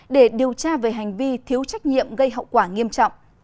để điều tra về hành vi thiếu trách nhiệm gây hậu quả nghiêm trọng